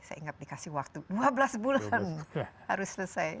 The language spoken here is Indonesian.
saya ingat dikasih waktu dua belas bulan harus selesai